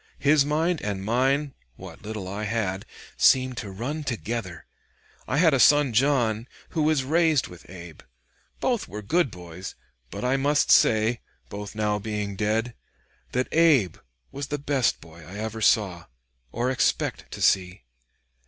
His mind and mine what little I had seemed to run together.... I had a son John, who was raised with Abe. Both were good boys, but I must say, both now being dead, that Abe was the best boy I ever saw or expect to see."